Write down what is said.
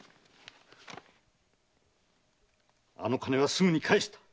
あの金はすぐに返した！